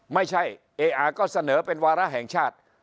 ไม่ใช่เออก็เสนอเป็นวาระแห่งชาติ